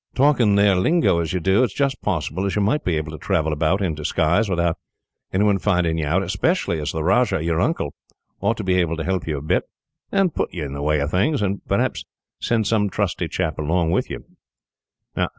Talking their lingo as you do, it's just possible as you might be able to travel about, in disguise, without anyone finding you out; especially as the Rajah, your uncle, ought to be able to help you a bit, and put you in the way of things, and perhaps send some trusty chap along with you.